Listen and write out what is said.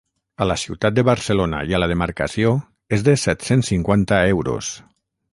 A la ciutat de Barcelona i a la demarcació és de set-cents cinquanta euros.